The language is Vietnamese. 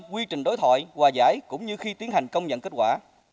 quy trình đối thoại hòa giải cũng như khi tiến hành công nhận kết quả